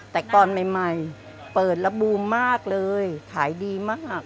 แต่ก่อนใหม่เปิดระบูมมากเลยขายดีมาก